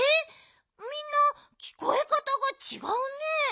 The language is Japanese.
みんなきこえかたがちがうね。